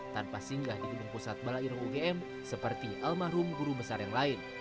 tanpa singgah di rumah sakit umum pusat balair ugm seperti almarhum guru besar yang lain